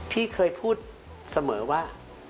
พี่เคยพูดเสมอว่า